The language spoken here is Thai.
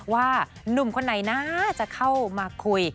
หนุ่มคนไหนน่าจะเข้ามาคุย